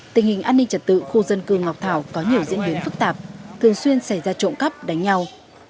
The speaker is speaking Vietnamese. tình hình an ninh trật tự khu dân cư ngọc thảo có nhiều diễn biến phức tạp thường xuyên xảy ra trộm cắp đánh nhau